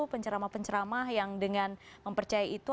pencerama pencerama yang dengan mempercaya itu